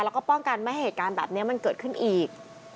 แล้วก็ป้องกันไม่ให้เหตุการณ์แบบนี้มันเกิดขึ้นอีก